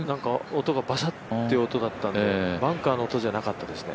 音がバシャッという音だったね、バンカーの音じゃなかったね